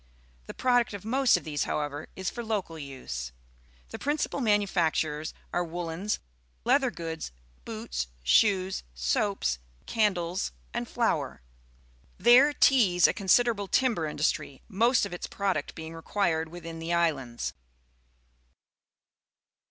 The product of most of these, however, is for local use. The pri ncipal manufactu res are woollens, leather goods, boots, shoeSj soaps, candles, and flour. There Ts a considerable tiinber industry, most of its product being required within the islands.